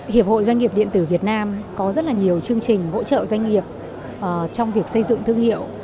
hiệp hội doanh nghiệp điện tử việt nam có rất là nhiều chương trình hỗ trợ doanh nghiệp trong việc xây dựng thương hiệu